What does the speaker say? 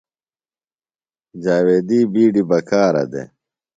جاویدی بیڈیۡ بکارہ دےۡ۔